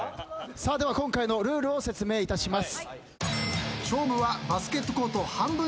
さあでは今回のルールを説明いたします。